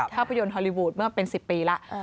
ภาพยนตร์ฮอลลีวูดเมื่อเป็น๑๐ปีแล้ว